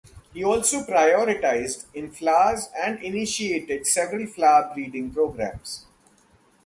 He also prioritized in flowers and initiated several flower breeding programs.